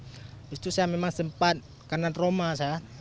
habis itu saya memang sempat karena trauma saya